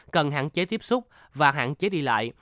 cần hạn chế tiếp xúc và hạn chế đi lại